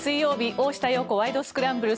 「大下容子ワイド！スクランブル」。